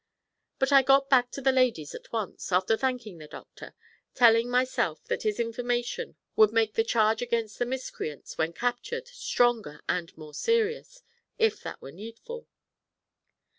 But I got back to the ladies at once, after thanking the doctor, telling myself that his information would make the charge against the miscreants, when captured, stronger and more serious, if that were needful.